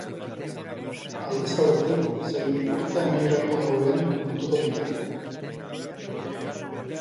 Aldez aurretik zein urte amaierako gauean burutuko dira.